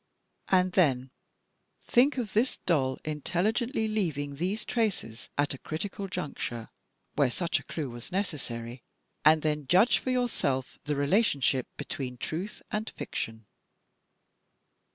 and then think of this doll intelligently leaving these traces at the critical jimcture, where such a clue was neces sary, and then judge for yourself the relationship between truth and fiction.